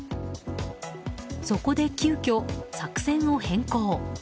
そこで急きょ、作戦を変更。